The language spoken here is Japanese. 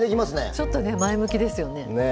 ちょっとね前向きですよね。